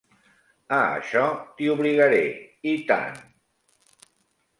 A això t'hi obligaré. I tant!